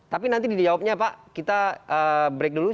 tapi nanti dijawabnya pak kita break dulu